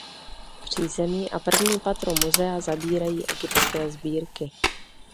Přízemí a první patro muzea zabírají egyptské sbírky.